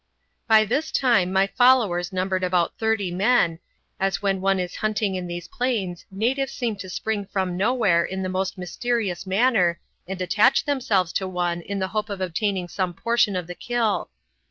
By this time my followers numbered about thirty men, as when one is hunting in these plains natives seem to spring from nowhere in the most mysterious manner, and attach themselves to one in the hope of obtaining same portion of the kill.